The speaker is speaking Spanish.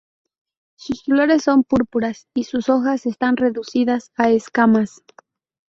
Sus flores son púrpuras y sus hojas están reducidas a escamas.